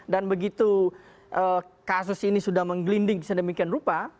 dan begitu kasus ini sudah menggelinding sedemikian rupa